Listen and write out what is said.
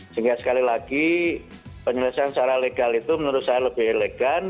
sehingga sekali lagi penyelesaian secara legal itu menurut saya lebih elegan